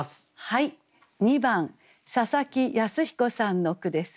はい２番佐々木靖彦さんの句です。